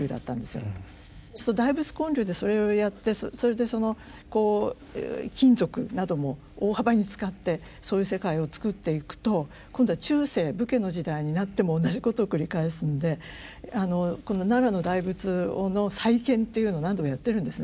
そうすると大仏建立でそれをやってそれでその金属なども大幅に使ってそういう世界を作っていくと今度は中世武家の時代になっても同じことを繰り返すんでこの奈良の大仏の再建っていうのを何度もやってるんですね。